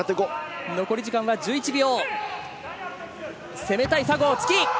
残り時間は１１秒。